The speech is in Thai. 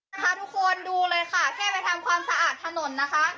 นะคะทุกคนดูเลยค่ะแค่ไปทำความสะอาดถนนนะคะ